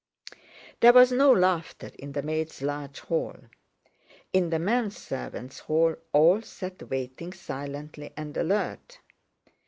There was no laughter in the maids' large hall. In the men servants' hall all sat waiting, silently and alert.